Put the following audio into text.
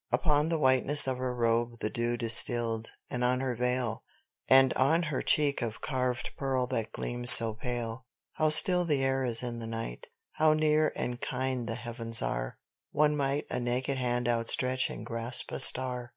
Upon the whiteness of her robe the dew distilled, and on her veil And on her cheek of carved pearl that gleamed so pale. (How still the air is in the night, how near and kind the heavens are, One might a naked hand outstretch and grasp a star!)